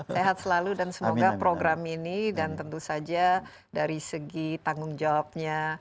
sehat selalu dan semoga program ini dan tentu saja dari segi tanggung jawabnya